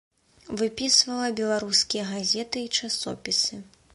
Выпісвала беларускія газеты і часопісы.